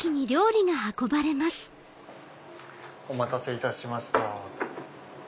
お待たせいたしました。